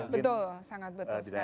betul sangat betul sekali